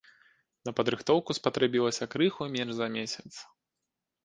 На падрыхтоўку спатрэбілася крыху менш за месяц.